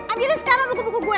ambilin sekarang buku buku gue